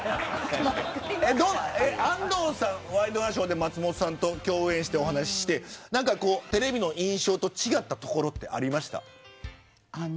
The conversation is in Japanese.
安藤さん、ワイドナショーで松本さんと共演して話してテレビの印象と違うところありましたか。